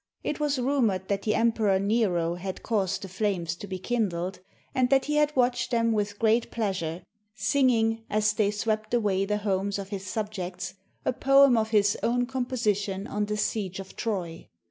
It was rumored that the Emperor Nero had caused the flames to be kindled, and that he had watched them with great pleasure, singing, as they swept away the homes of his subjects, a poem of his own composition on the siege of Troy.